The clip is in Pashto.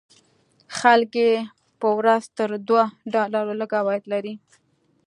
خلک یې په ورځ تر دوو ډالرو لږ عواید لري.